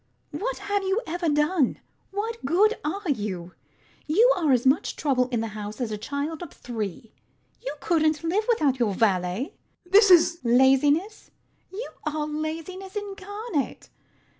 What have you ever done? What good are you? You are as much trouble in the house as a child of three. You couldn't live without your valet. RANDALL. This is LADY UTTERWORD. Laziness! You are laziness incarnate.